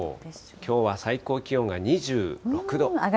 きょうは最高気温が２６度。